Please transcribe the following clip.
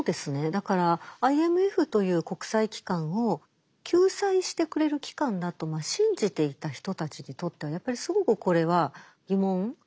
だからＩＭＦという国際機関を救済してくれる機関だと信じていた人たちにとってはやっぱりすごくこれは疑問。